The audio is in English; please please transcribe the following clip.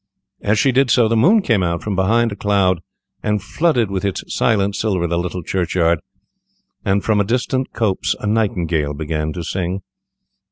As she did so, the moon came out from behind a cloud, and flooded with its silent silver the little churchyard, and from a distant copse a nightingale began to sing.